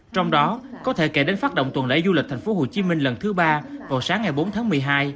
trong đó có thể kể đến phát động tuần lễ du lịch tp hcm lần thứ ba vào sáng ngày bốn tháng một mươi hai